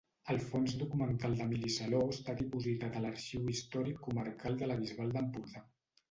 El fons documental d'Emili Saló està dipositat a l'Arxiu Històric Comarcal de la Bisbal d'Empordà.